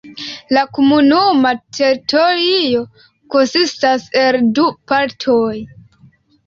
La komunuma teritorio konsistas el du partoj.